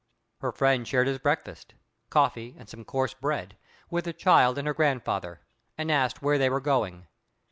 Her friend shared his breakfast—coffee, and some coarse bread—with the child and her grandfather, and asked where they were going.